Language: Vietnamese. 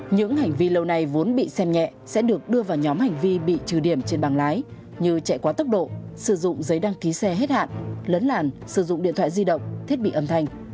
những hành vi lâu nay vốn bị xem nhẹ sẽ được đưa vào nhóm hành vi bị trừ điểm trên bảng lái như chạy quá tốc độ sử dụng giấy đăng ký xe hết hạn lấn làn sử dụng điện thoại di động thiết bị âm thanh